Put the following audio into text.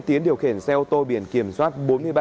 tiến điều khiển xe ô tô biển kiểm soát